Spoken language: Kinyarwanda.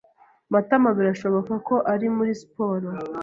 Matama birashoboka ko ari muri siporo.